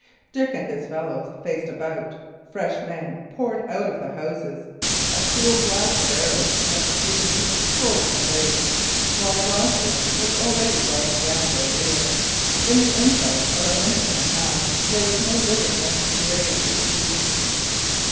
Dick and his fellows faced about, fresh men poured out of the houses; a cruel blast of arrows met the fugitives full in the face, while Gloucester was already riding down their rear; in the inside of a minute and a half there was no living Lancastrian in the street.